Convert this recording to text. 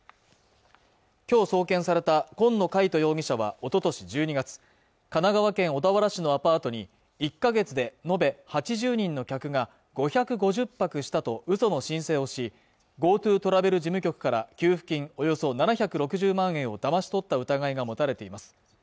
今日送検された紺野海斗容疑者はおととし１２月神奈川県小田原市のアパートに１か月で延べ８０人の客が５５０泊したとうその申請をしＧｏＴｏトラベル事務局から給付金およそ７６０万円をだまし取った疑いが持たれています